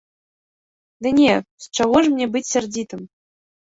Ды не, з чаго ж мне быць сярдзітым?